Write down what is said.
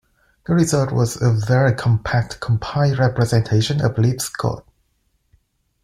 The result was a very compact compiled representation of Lisp code.